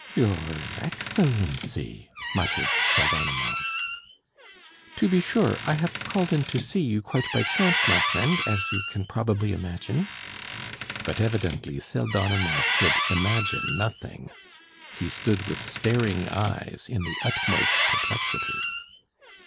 "You our Ex cel len cy!" muttered Pseldonimov. "To be sure.... I have called in to see you quite by chance, my friend, as you can probably imagine...." But evidently Pseldonimov could imagine nothing. He stood with staring eyes in the utmost perplexity.